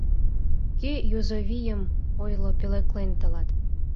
Кӧ юзо вийым, ойло, пӧлеклен тылат?